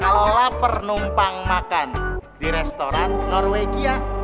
kalau lapar numpang makan di restoran norwegia